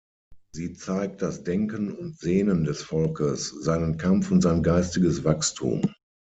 Sie zeigt das Denken und Sehnen des Volkes, seinen Kampf und sein geistiges Wachstum.